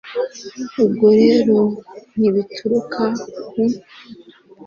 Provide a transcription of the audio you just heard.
Ubwo rero ntibituruka ku